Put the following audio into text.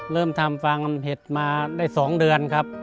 เริ่มทำฟางเห็ดมาได้๒เดือนครับ